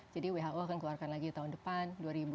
jadi who akan keluarkan lagi tahun depan dua ribu tujuh belas